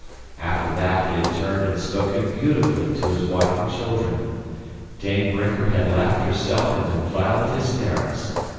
After that he had turned and spoken beautifully to his wife and children. Dame Brinker had laughed herself into violent hysterics.